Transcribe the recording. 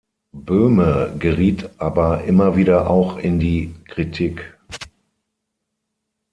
Böhme geriet aber immer wieder auch in die Kritik.